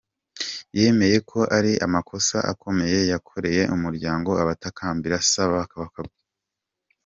Yemeye ko ari amakosa akomeye yakoreye umuryango abatakambira asaba kubabarirwa.